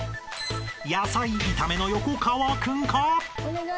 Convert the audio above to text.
［野菜いための横川君か？］